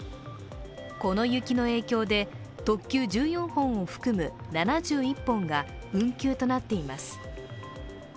この雪の影響で特急１４本を含む７１本が運休となっています。